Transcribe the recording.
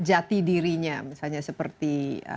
jati dirinya misalnya seperti